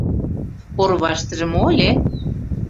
Орваштыже мо ыле?..